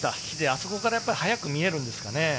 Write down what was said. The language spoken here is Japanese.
あそこから早く見えるんですかね。